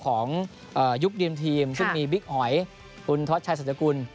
ของยุครีมทีมซึ่งมีบิ๊กหอยคุณท็อตชายสัจกุล